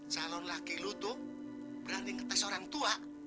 calon laki lu tuh berani ngetes orang lain